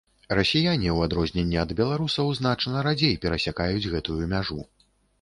Расіяне, у адрозненне ад беларусаў, значна радзей перасякаюць гэтую мяжу.